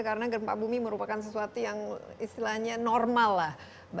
karena gempa bumi merupakan sesuatu yang istilahnya normal lah